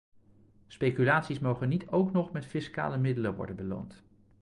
Speculaties mogen niet ook nog met fiscale middelen worden beloond.